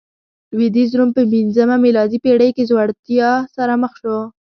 لوېدیځ روم په پنځمه میلادي پېړۍ کې ځوړتیا سره مخ شو